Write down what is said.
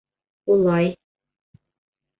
— Улай...